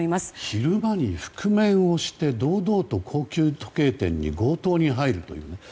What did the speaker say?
昼間に覆面をして堂々と高級時計店に強盗に入るという。